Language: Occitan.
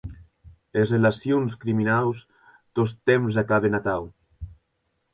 Es relacions criminaus tostemp acaben atau.